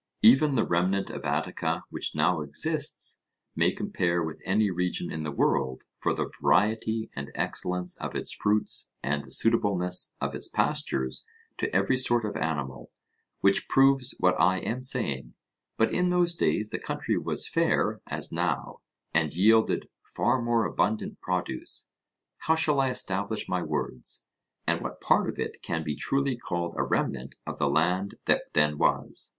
Even the remnant of Attica which now exists may compare with any region in the world for the variety and excellence of its fruits and the suitableness of its pastures to every sort of animal, which proves what I am saying; but in those days the country was fair as now and yielded far more abundant produce. How shall I establish my words? and what part of it can be truly called a remnant of the land that then was?